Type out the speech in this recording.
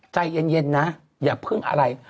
ใจเย็นนะอย่าพึ่งอะไร